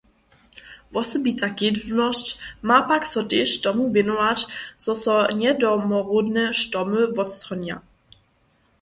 Wosebita kedźbnosć ma pak so tež tomu wěnować, zo so njedomoródne štomy wotstronja.